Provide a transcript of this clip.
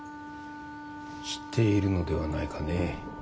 知っているのではないかね？